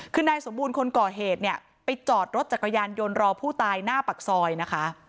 คือนายสมบูรณ์คนก่อเหตุเนี่ยไปจอดรถจักรยานยนต์รอผู้ตายหน้าปากซอยนะคะ